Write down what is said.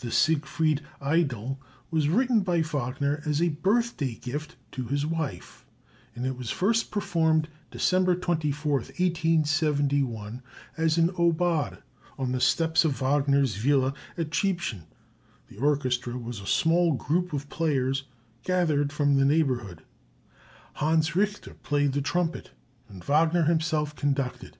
The "Siegfried Idyl" was written by Wagner as a birthday gift to his wife, and it was first performed December 24, 1871, as an aubade, on the steps of Wagner's villa at Triebschen; the orchestra was a small group of players gathered from the neighborhood. Hans Richter played the trumpet, and Wagner himself conducted.